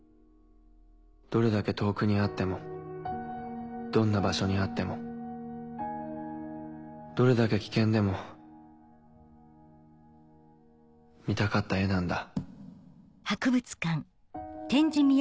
どれだけ遠くにあってもどんな場所にあってもどれだけ危険でも見たかった絵なんだ。